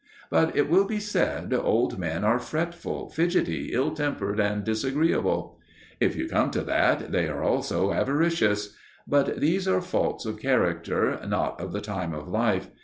But, it will be said, old men are fretful, fidgety, ill tempered, and disagreeable. If you come to that, they are also avaricious. But these are faults of character, not of the time of life.